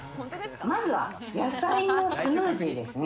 まずは野菜のスムージーですね。